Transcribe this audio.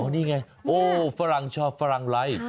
อ๋อนี่ไงฝรั่งชอบฝรั่งไล่